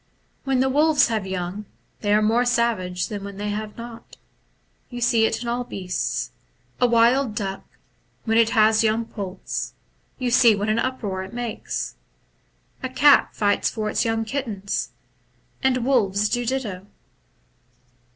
« When the wolves have young, they are more savage than when they have not. You see it so in all beasts. A wild duck, when it has young poults, you see what an uproar it makes. A cat fights for its young kittens ; the wolves do ditto.